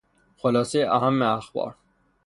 خلاصهی اهم اخبار